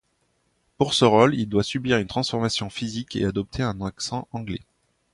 Pour ce rôle, il doit subir une transformation physique et adopter un accent anglais.